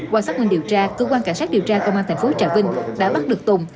qua sát minh điều tra cơ quan cảnh sát điều tra công an tp trà vinh đã bắt được tùng